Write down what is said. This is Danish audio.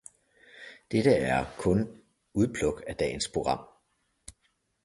Dette er kun udpluk af dagens program.